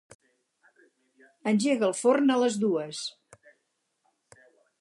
Engega el forn a les dues.